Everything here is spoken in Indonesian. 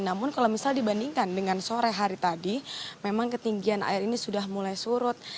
namun kalau misalnya dibandingkan dengan sore hari tadi memang ketinggian air ini sudah mulai surut